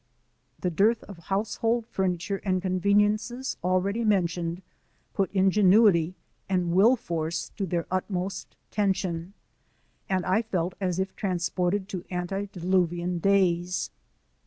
*[ HE dearth of household furniture and conveniences already mentioned, put ingenuity and will force to their utmost tension, and I felt as if transported to antediluvian days.